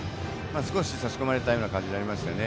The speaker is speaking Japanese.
少し、差し込まれたような感じになりましたね。